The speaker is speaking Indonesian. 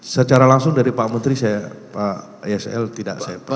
secara langsung dari pak menteri saya pak isl tidak saya percaya